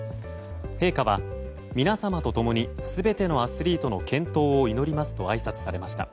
陛下は皆様とともに全てのアスリートの健闘を祈りますとあいさつされました。